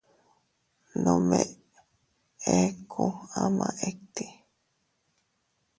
Nome eku ama iti.